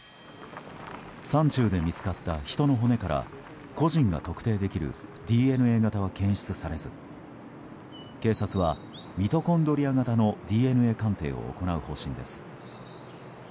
山中で見つかった人の骨から個人が特定できるＤＮＡ型は検出されず警察はミトコンドリア型のＤＮＡ鑑定を行う方針です。